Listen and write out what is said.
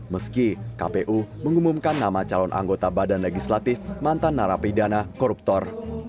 meski kpu mengumumkan nama calon anggota badan legislatif mantan narapidana koruptor